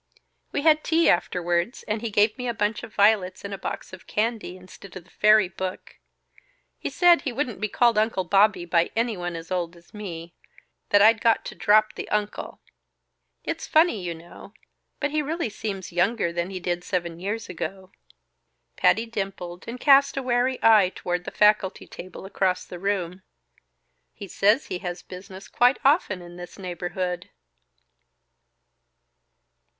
We had tea afterwards; and he gave me a bunch of violets and a box of candy, instead of the fairy book. He said he wouldn't be called 'Uncle Bobby' by anyone as old as me that I'd got to drop the 'Uncle' It's funny, you know, but he really seems younger than he did seven years ago." Patty dimpled and cast a wary eye toward the faculty table across the room. "He says he has business quite often in this neighborhood."